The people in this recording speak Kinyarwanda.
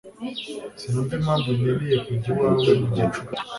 Sinumva impamvu nkeneye kujya iwawe mu gicuku